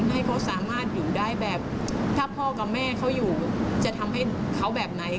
ให้เขาสามารถอยู่ได้แบบถ้าพ่อกับแม่เขาอยู่จะทำให้เขาแบบไหน